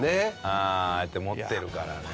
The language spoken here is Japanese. ああやって持ってるからね。